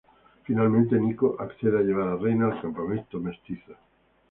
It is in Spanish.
Finalmente Nico accede a llevar a Reyna al Campamento Mestizo.